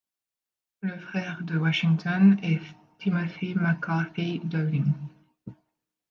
Le frère de Washington est Timothy McCarthy Downing.